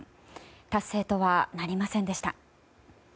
達成とはなりませんでした。